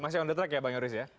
masih on the track ya bang yoris ya